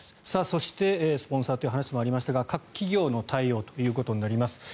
そして、スポンサーという話もありましたが各企業の対応ということになります。